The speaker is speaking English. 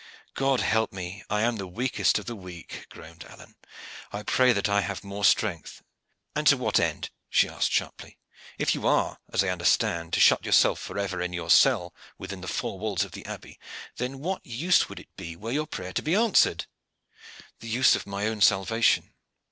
"God help me! I am the weakest of the weak," groaned Alleyne. "I pray that I may have more strength." "And to what end?" she asked sharply. "If you are, as I understand, to shut yourself forever in your cell within the four walls of an abbey, then of what use would it be were your prayer to be answered?" "The use of my own salvation."